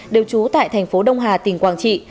đều trú tại thành phố đông hà tỉnh quảng trị